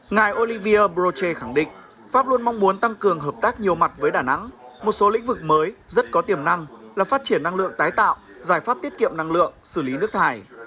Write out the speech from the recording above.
ngài olivier brochet khẳng định pháp luôn mong muốn tăng cường hợp tác nhiều mặt với đà nẵng một số lĩnh vực mới rất có tiềm năng là phát triển năng lượng tái tạo giải pháp tiết kiệm năng lượng xử lý nước thải